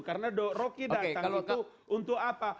karena roki datang itu untuk apa